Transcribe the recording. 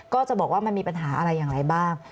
ก็จะบอกว่ามันมีปัญหาอะไรอย่างไรบ้าง